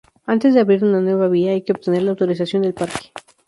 Antes de abrir una nueva vía, hay que obtener la autorización del Parque.